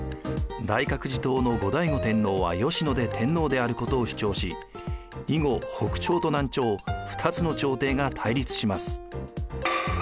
大覚寺統の後醍醐天皇は吉野で天皇であることを主張し以後北朝と南朝二つの朝廷が対立します。